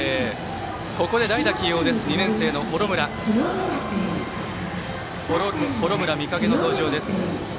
ここで代打起用、２年生の幌村魅影の登場です。